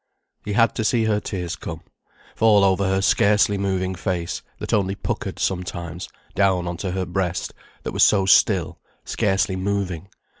He had to see her tears come, fall over her scarcely moving face, that only puckered sometimes, down on to her breast, that was so still, scarcely moving.